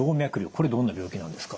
これどんな病気なんですか？